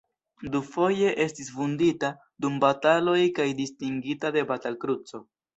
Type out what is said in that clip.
Dufoje estis vundita dum bataloj kaj distingita de Batal-Kruco.